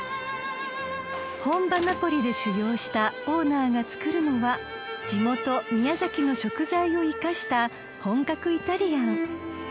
［本場ナポリで修業したオーナーが作るのは地元宮崎の食材を生かした本格イタリアン］